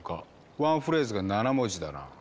ワンフレーズが７文字だな。